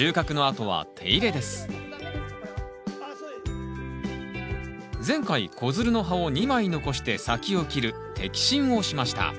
前回子づるの葉を２枚残して先を切る摘心をしました。